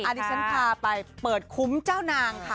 อันนี้ฉันพาไปเปิดคุ้มเจ้านางค่ะ